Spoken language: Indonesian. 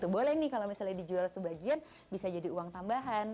boleh nih kalau misalnya dijual sebagian bisa jadi uang tambahan